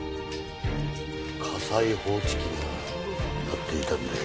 火災報知機が鳴っていたんで。